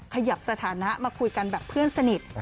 ขยับสถานะมาคุยกันแบบเพื่อนสนิท